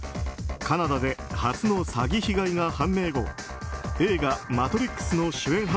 カナダで初の詐欺被害が判明後映画「マトリックス」の主演